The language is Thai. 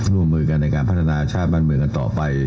ร่วมมือกันในการพัฒนาชาติบ้านเมืองกันต่อไป